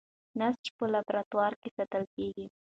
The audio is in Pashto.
نسج په لابراتوار کې ساتل کېږي.